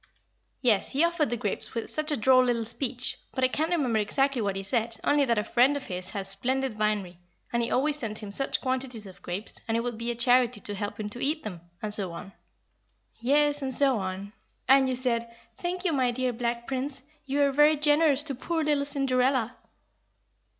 Yes, he offered the grapes with such a droll little speech; but I can't remember exactly what he said, only that a friend of his had a splendid vinery, and he always sent him such quantities of grapes, and it would be a charity to help him to eat them, and so on." "Yes, and so on. And you said, 'Thank you, my dear Black Prince. You are very generous to poor little Cinderella.'"